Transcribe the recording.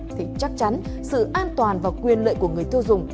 thì chắc chắn sự an toàn và quyền lợi của người tiêu dùng